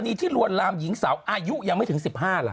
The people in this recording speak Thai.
ที่ลวนลามหญิงสาวอายุยังไม่ถึง๑๕ล่ะ